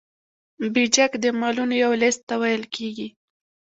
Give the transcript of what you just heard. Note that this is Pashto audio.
بیجک د مالونو یو لیست ته ویل کیږي.